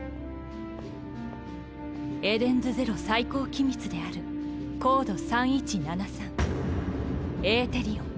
エデンズゼロ最高機密であるコード３１７３エーテリオン。